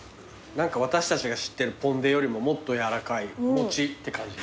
私たちが知ってるぽんでよりももっと軟らかいお餅って感じ。